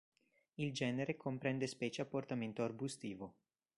Il genere comprende specie a portamento arbustivo.